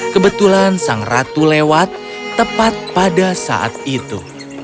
kebetulan sang ratu lewat tepat pada saat itu